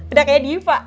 udah kayak diva